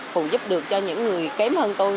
phụ giúp được cho những người kém hơn tôi